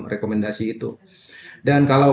rekomendasi itu dan kalau